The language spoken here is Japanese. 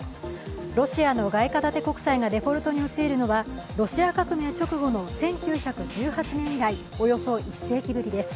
ロシアの外貨建て国債がデフォルトに陥るのはロシア革命直後の１９１８年以来およそ１世紀ぶりです。